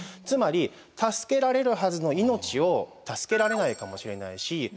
つまり助けられるはずの命を助けられないかもしれないし